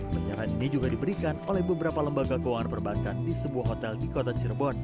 penyerahan ini juga diberikan oleh beberapa lembaga keuangan perbankan di sebuah hotel di kota cirebon